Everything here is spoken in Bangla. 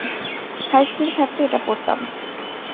হাই স্কুলে থাকতে এটা পরতাম।